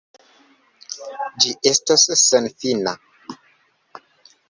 Ĝi estos senfina.